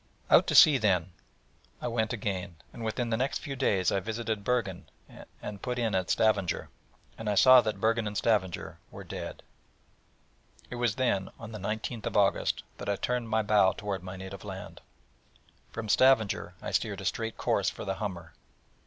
Out to sea, then, I went again; and within the next few days I visited Bergen, and put in at Stavanger. And I saw that Bergen and Stavanger were dead. It was then, on the 19th August, that I turned my bow toward my native land. From Stavanger I steered a straight course for the Humber.